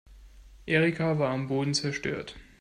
Erika war am Boden zerstört.